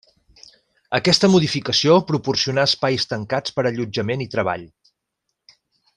Aquesta modificació proporcionà espais tancats per allotjament i treball.